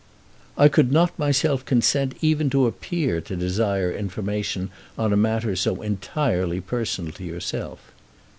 "I could not myself consent even to appear to desire information on a matter so entirely personal to yourself."